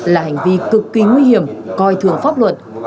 là hành vi cực kỳ nguy hiểm coi thường pháp luật